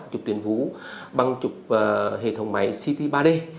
trục tuyên vú bằng trục hệ thống máy ct ba d